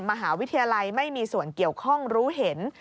มหาวิทยาลัยไม่มีส่วนเกี่ยวข้องรู้เห็น